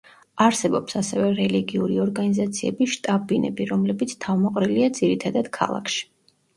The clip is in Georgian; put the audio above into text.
არსებობს ასევე რელიგიური ორგანიზაციების შტაბ-ბინები, რომლებიც თავმოყრილია ძირითადად ქალაქში.